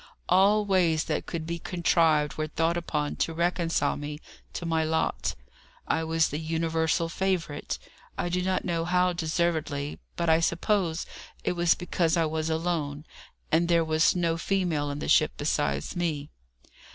All ways that could be contrived were thought upon to reconcile me to my lot. I was the universal favourite. I do not know how deservedly, but I suppose it was because I was alone, and there was no female in the ship besides me.